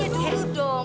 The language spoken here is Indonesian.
tanya dulu dong